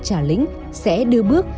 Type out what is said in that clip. trà lĩnh sẽ đưa bước